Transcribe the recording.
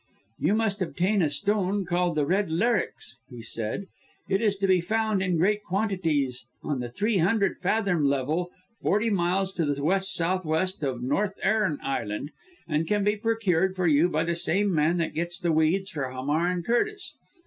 "'You must obtain a stone called the Red Laryx,' he said. 'It is to be found in great quantities on the three hundred fathom level, forty miles to the west south west of North Aran Island, and can be procured for you by the same man that gets the weeds for Hamar and Curtis.